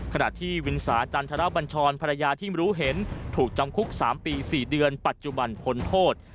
ขณะที่วินสาจันทรบัญชรภรรยาที่รู้เห็นถูกจำคุก๓ปี๔เดือนปัจจุบันพ้นโทษ